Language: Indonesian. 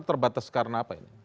terbatas karena apa